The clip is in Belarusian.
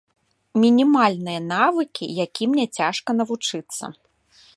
Мінімальныя навыкі, якім няцяжка навучыцца.